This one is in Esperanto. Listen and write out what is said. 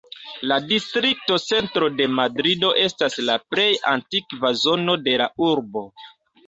La distrikto Centro de Madrido estas la plej antikva zono de la urbo.